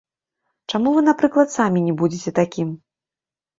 Чаму вы, напрыклад, самі не будзеце такім?